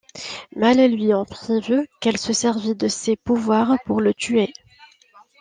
Mal lui en prit vu qu'elle se servit de ses pouvoirs pour le tuer.